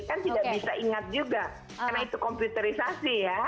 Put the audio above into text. kan tidak bisa ingat juga karena itu komputerisasi ya